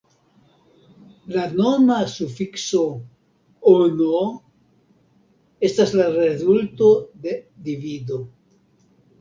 La noma sufikso -ono estas la rezulto de divido.